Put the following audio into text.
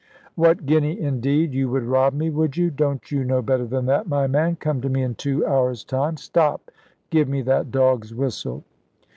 "What guinea, indeed! You would rob me, would you? Don't you know better than that, my man? Come to me in two hours' time. Stop, give me that dog's whistle!"